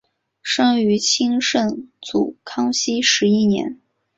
生于清圣祖康熙十一年。